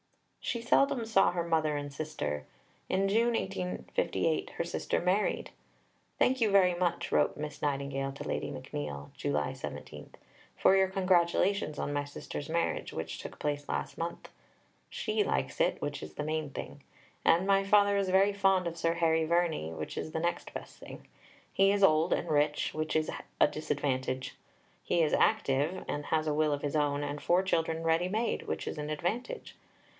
She seldom saw her mother and sister. In June 1858 her sister married. "Thank you very much," wrote Miss Nightingale to Lady McNeill (July 17), "for your congratulations on my sister's marriage, which took place last month. She likes it, which is the main thing. And my father is very fond of Sir Harry Verney, which is the next best thing. He is old and rich, which is a disadvantage. He is active, has a will of his own and four children ready made, which is an advantage.